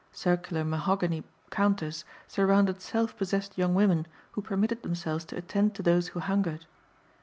Circular mahogany counters surrounded self possessed young women who permitted themselves to attend to those who hungered.